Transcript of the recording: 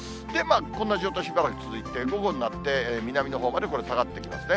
こんな状況しばらく続いて、午後になって南のほうまでこれ、下がってきますね。